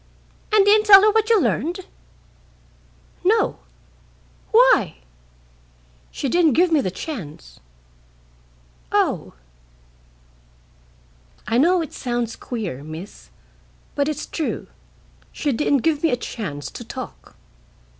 "And didn't tell her what you learned?" "No." "Why?" "She didn't give me the chance." "Oh!" "I know it sounds queer, Miss, but it's true. She didn't give me a chance to talk."